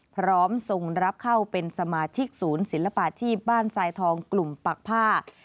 ทรงรับเข้าเป็นสมาชิกศูนย์ศิลปาชีพบ้านทรายทองกลุ่มปากผ้า